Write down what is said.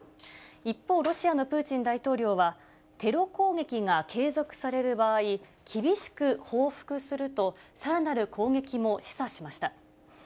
一方、ロシアのプーチン大統領は、テロ攻撃が継続される場合、厳しく報復すると、さらなる攻撃も示唆しました。